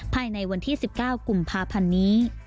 ภายในวันที่๑๙กุมภาพันธ์นี้